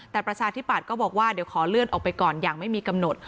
แต่ประชาธิปัตย์ก็บอกว่าเดี๋ยวขอเลื่อนออกไปก่อนอย่างไม่มีกำหนด